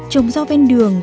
trồng rau ven đường